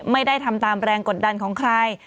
ไม่ได้ทำตามแรงกดดันของใคร